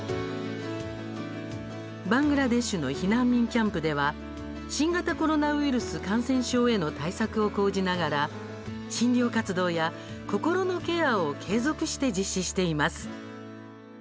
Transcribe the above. バングラデシュの避難民キャンプでは新型コロナウイルス感染症への対策を講じながら診療活動や、心のケアを継続して実施しています。